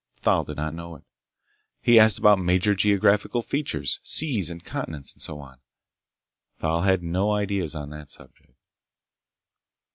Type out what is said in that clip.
Thal did not know it. He asked about major geographical features—seas and continents and so on. Thal had no ideas on the subject.